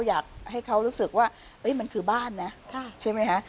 อยากให้เขารู้สึกว่ามันคือบ้านนะใช่ไหมฮะ